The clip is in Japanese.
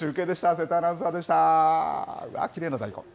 瀬田アナウンサーでした。